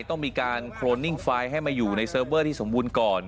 ต้องมีการโครนนิ่งไฟล์ให้มาอยู่ในเซิร์ฟเวอร์ที่สมบูรณ์ก่อน